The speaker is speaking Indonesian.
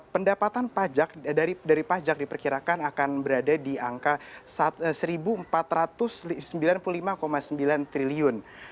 pendapatan pajak dari pajak diperkirakan akan berada di angka rp satu empat ratus sembilan puluh lima sembilan triliun